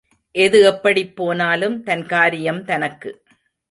எது எப்படிப் போனாலும் தன் காரியம் தனக்கு.